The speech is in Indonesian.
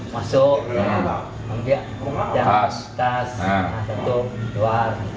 jadi berpura pura masuk ambil tas jatuh keluar